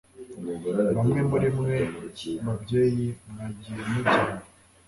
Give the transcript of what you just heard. Bamwe muri mwe babyeyi mwagiye mujyana